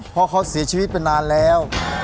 เพราะเขาเสียชีวิตไปนานแล้ว